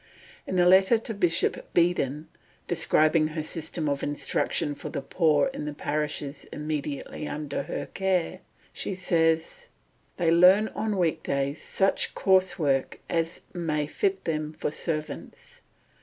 In a letter to Bishop Beadon, describing her system of instruction for the poor children in the parishes immediately under her care, she says: "They learn on week days such coarse work as may fit them for servants.